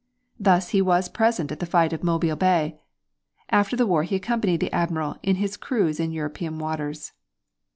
Thus he was present at the fight of Mobile Bay. After the war he accompanied the Admiral in his cruise in European waters.